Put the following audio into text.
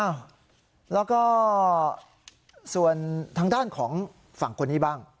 แล้วก็ส่วนทางด้านของฝั่งคนนี้บ้าง